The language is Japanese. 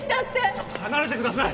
ちょっと離れてください！